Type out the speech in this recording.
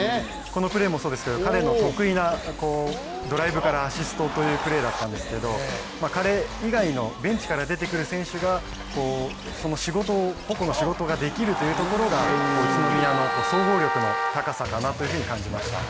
このプレーもそうですけど、彼の得意なドライブからアシストというプレーだったんですけど彼以外のベンチから出てくる選手が個々の仕事をできるというのが宇都宮の総合力の高さかなと感じました。